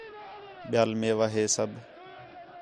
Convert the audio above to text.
ٻِیال میوا ہے سب